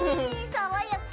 爽やか。